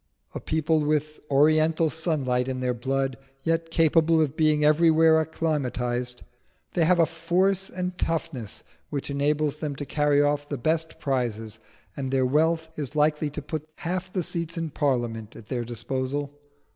A people with oriental sunlight in their blood, yet capable of being everywhere acclimatised, they have a force and toughness which enables them to carry off the best prizes; and their wealth is likely to put half the seats in Parliament at their disposal."